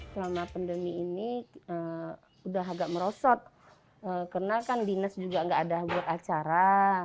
selama pandemi ini udah agak merosot karena kan dinas juga nggak ada buat acara